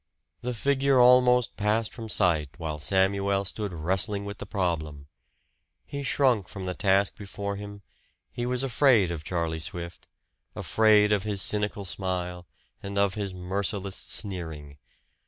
The figure almost passed from sight while Samuel stood wrestling with the problem. He shrunk from the task before him; he was afraid of Charlie Swift, afraid of his cynical smile, and of his merciless sneering.